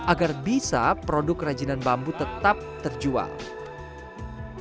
agar bisa produk kerajinan bambu tetap terjual